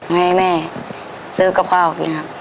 ให้แม่ซื้อกะเพรากินครับ